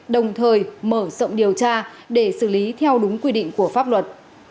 đồng thời mở rộng điều tra để xử lý theo đúng quy định của pháp luật